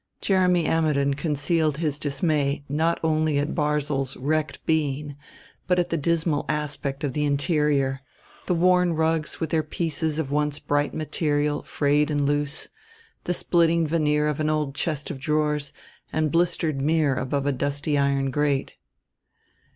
Jeremy Ammidon concealed his dismay not only at Barzil's wrecked being but at the dismal aspect of the interior, the worn rugs with their pieces of once bright material frayed and loose, the splitting veneer of an old chest of drawers and blistered mirror above a dusty iron grate.